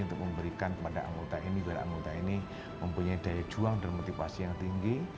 untuk memberikan kepada anggota ini biar anggota ini mempunyai daya juang dan motivasi yang tinggi